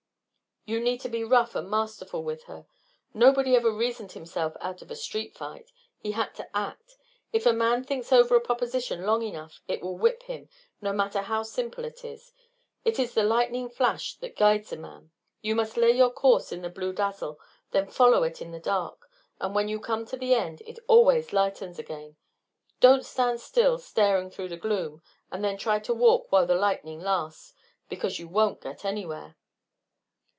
You need to be rough and masterful with her. Nobody ever reasoned himself out of a street fight. He had to act. If a man thinks over a proposition long enough it will whip him, no matter how simple it is. It's the lightning flash that guides a man. You must lay your course in the blue dazzle, then follow it in the dark; and when you come to the end, it always lightens again. Don't stand still, staring through the gloom, and then try to walk while the lightning lasts, because you won't get anywhere."